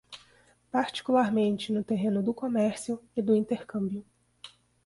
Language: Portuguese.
particularmente no terreno do comércio e do intercâmbio